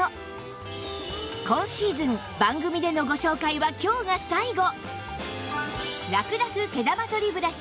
今シーズン番組でのご紹介は今日が最後